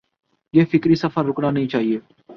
یہ فکری سفر رکنا نہیں چاہیے۔